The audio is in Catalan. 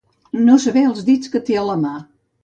No saber els dits que té a la mà.